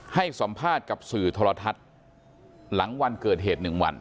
ให้สัมภาษณ์กับถร฻ทัศน์หลังวันเกิดเหตุหนึ่งวัน